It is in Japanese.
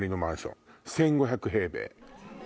１５００平米。